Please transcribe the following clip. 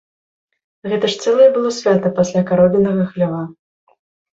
Гэта ж цэлае было свята пасля каровінага хлява.